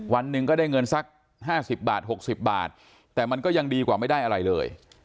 วันหนึ่งก็ได้เงินสัก๕๐บาท๖๐บาทแต่มันก็ยังดีกว่าไม่ได้อะไรเลย